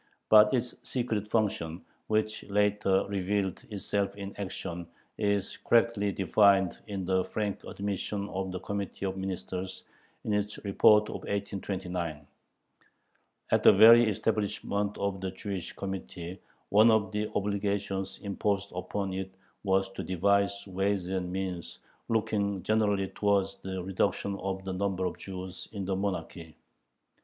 But its secret function, which later revealed itself in action, is correctly defined in the frank admission of the Committee of Ministers in its report of 1829: "At the very establishment of the Jewish Committee one of the obligations imposed upon it was to devise ways and means looking generally towards the reduction of the number of Jews in the monarchy."